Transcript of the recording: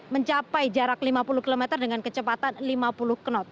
mencapai jarak lima puluh km dengan kecepatan lima puluh knot